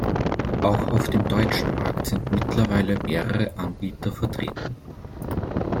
Auch auf dem deutschen Markt sind mittlerweile mehrere Anbieter vertreten.